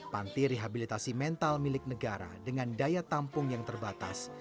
panti rehabilitasi mental milik negara dengan daya tampung yang terbatas